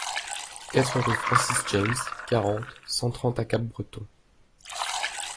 quatre rue Francis James, quarante, cent trente à Capbreton